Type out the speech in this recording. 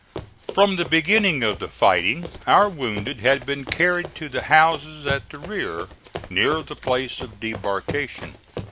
From the beginning of the fighting our wounded had been carried to the houses at the rear, near the place of debarkation.